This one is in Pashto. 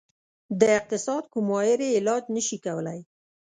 د اقتصاد کوم ماهر یې علاج نشي کولی.